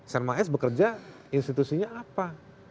serma s bekerja institusinya apa